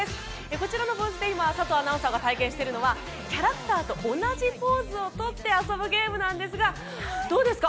こちらのブースで今佐藤アナウンサーが体験しているのはキャラクターと同じポーズを取って遊ぶゲームなんですがどうですか？